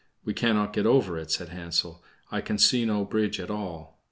"We cannot get over," said Hansel. "I can see no bridge at all."